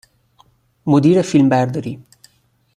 مدیر فیلمبرداری